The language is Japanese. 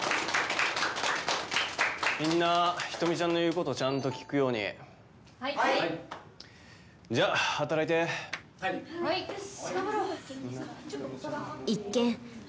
みんな人見ちゃんの言うことちゃんと聞くようにはいじゃあ働いてはいよし頑張ろう